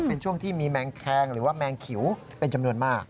เป็นช่วงที่มีแมงแคงหรือว่าแมงขิวเป็นจำนวนมาก